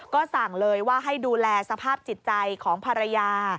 ก็สั่งเลยว่าให้ดูแลสภาพจิตใจของภรรยา